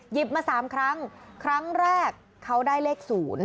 มา๓ครั้งครั้งแรกเขาได้เลข๐